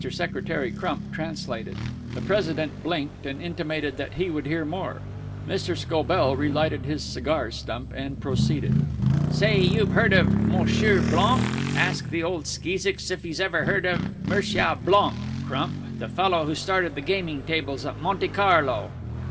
Secretary Crump translated. The President blinked, and intimated that he would hear more. Mr. Scobell relighted his cigar stump, and proceeded. "Say, you've heard of Moosieer Blonk? Ask the old skeesicks if he's ever heard of Mersyaw Blonk, Crump, the feller who started the gaming tables at Monte Carlo."